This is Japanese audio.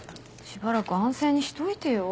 しばらく安静にしといてよ。